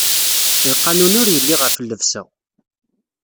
Lqanun ur yelli ɣef llebsa.